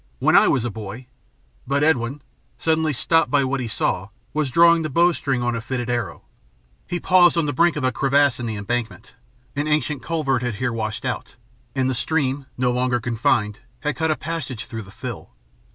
When I was a boy " But Edwin, suddenly stopped by what he saw, was drawing the bowstring on a fitted arrow. He had paused on the brink of a crevasse in the embankment. An ancient culvert had here washed out, and the stream, no longer confined, had cut a passage through the fill.